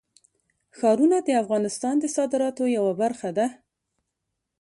ښارونه د افغانستان د صادراتو یوه برخه ده.